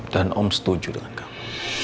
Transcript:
dan om setuju dengan kamu